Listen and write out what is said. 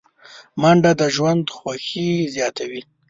منډه د ژوند خوښي زیاتوي